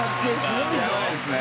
すごいぞ。